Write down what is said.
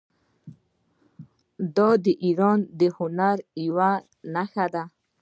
دا د ایران د هنر یوه نښه ده.